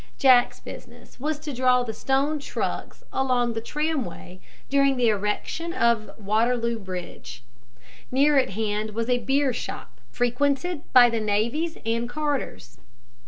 Jack's business was to draw the stone trucks along the tramway during the erection of Waterloo Bridge. Near at hand was a beer shop, frequented by the navvies and carters.